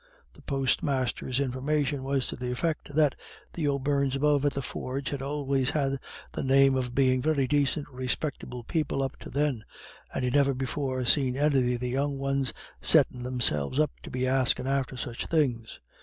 The post master's information was to the effect that "the O'Beirnes above at the forge had always had the name of bein' very dacint respectable people up to then, and he'd never before seen any of the young ones settin' themselves up to be askin' after such things.